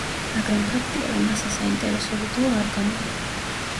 მაგრამ ფაქტია, რომ ასე საინტერესო ვიდეო არ გამოვა.